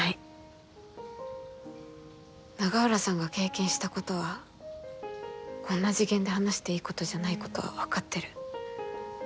永浦さんが経験したことはこんな次元で話していいことじゃないことは分かってる。